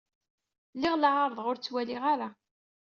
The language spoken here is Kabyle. Lliɣ la ɛerrḍeɣ ur ttwaliɣ ara.